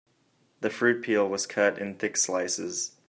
The fruit peel was cut in thick slices.